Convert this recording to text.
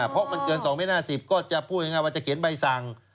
เพราะมันเกิน๒เมตร๕๐ก็จะพูดง่ายว่าจะเขียนใบสั่ง